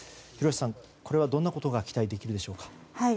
廣瀬さん、これはどんなことが期待できるでしょうか。